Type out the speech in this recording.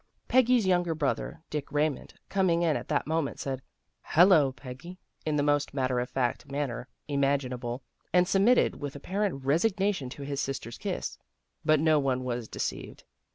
Peggy's younger brother, Dick Raymond, coming in at that moment, said, " Hello, Peggy," in the most matter of fact manner imaginable and submitted with apparent resig nation to his sister's kiss. But no one was deceived.